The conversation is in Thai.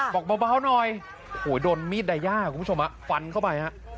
บอกเบาหน่อยโหโดนมีดไดย่าคุณผู้ชมฟันเข้าไปฮะ